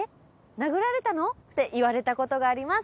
殴られたの？って言われたことがあります